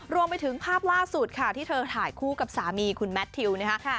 รวมไปถึงภาพล่าสุดค่ะที่เธอถ่ายคู่กับสามีคุณแมททิวนะคะ